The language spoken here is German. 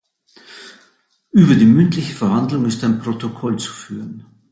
Über die mündliche Verhandlung ist ein Protokoll zu führen.